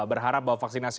berharap bahwa vaksinasi